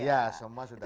iya semua sudah